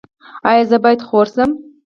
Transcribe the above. ایا زه باید خور شم؟